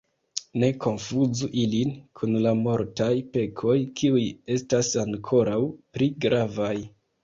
Ne konfuzu ilin kun la mortaj pekoj, kiuj estas ankoraŭ pli gravaj.